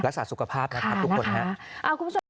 รักษาสุขภาพนะครับทุกคนค่ะค่ะคุณผู้ช่วย